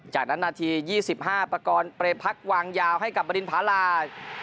จากนั้นนาทียี่สิบห้าประกอลเปรพักวางยาวให้กับบรินภารา